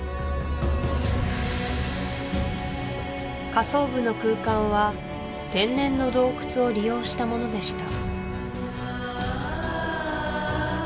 下層部の空間は天然の洞窟を利用したものでした